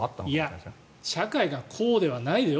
いや、社会がこうではないよ